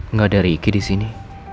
nggak ada riki disini